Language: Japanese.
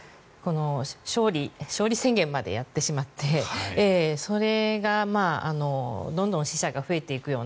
勝利宣言までやってしまってそれがどんどん死者が増えていくような。